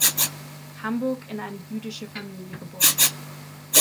Hamburg, in eine jüdische Familie geboren.